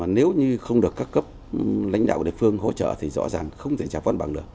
nếu như không được các cấp lãnh đạo của địa phương hỗ trợ thì rõ ràng không thể trả con bằng được